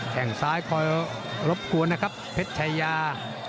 แข่งซ้ายคอยรบกวนนะครับเพชรชายา